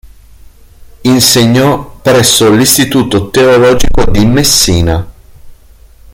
Insegnò presso l"'Istituto teologico di Messina".